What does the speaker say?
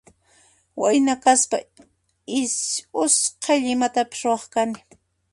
Wayna kaspan usqaylla imatapas ruwaq kani.